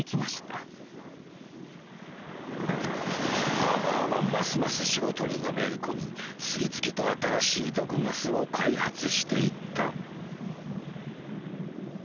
ハーバーはますます仕事にのめり込み次々と新しい毒ガスを開発していった。